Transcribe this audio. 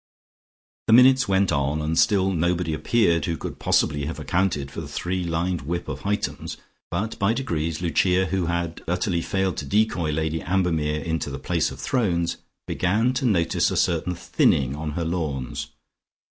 The minutes went on, and still nobody appeared who could possibly have accounted for the three lined whip of Hightums, but by degrees Lucia, who had utterly failed to decoy Lady Ambermere into the place of thrones, began to notice a certain thinning on her lawns.